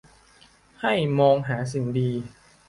ให้มองหาสิ่งดี